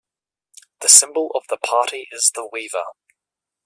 The symbol of the party is the weaver.